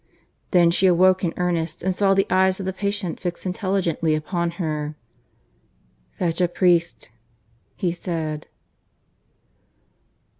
Then she awoke in earnest, and saw the eyes of the patient fixed intelligently upon her. "Fetch a priest," he said.